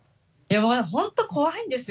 まあ本当、怖いんですよ。